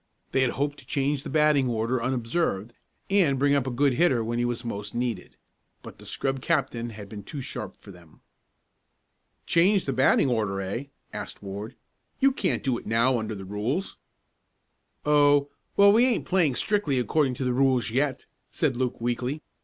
They had hoped to change the batting order unobserved, and bring up a good hitter when he was most needed. But the scrub captain had been too sharp for them. "Changed the batting order, eh?" asked Ward. "You can't do it now under the rules." "Oh, well, we ain't playing strictly according to rules yet," said Luke weakly.